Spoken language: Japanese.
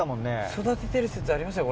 育ててる説ありますよ